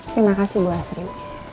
terima kasih bu asri